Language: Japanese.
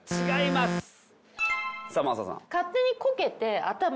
違います。